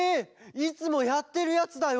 いつもやってるやつだよ。